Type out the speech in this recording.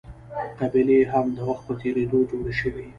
قبیلې هم د وخت په تېرېدو جوړې شوې.